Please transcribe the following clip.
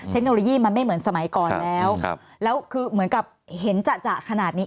เทคโนโลยีมันไม่เหมือนสมัยก่อนแล้วแล้วคือเหมือนกับเห็นจะขนาดนี้